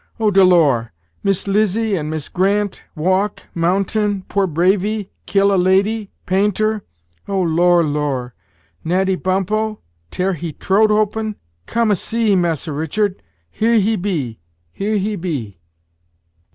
"Oh! de Lor! Miss 'Lizzy an' Miss Grant walk mountain poor Bravy ' kill a lady painter Oh, Lor, Lor! Natty Bumppo tare he troat open come a see, masser Richard here he be here he be."